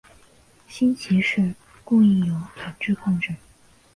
新奇士供应有品质控制。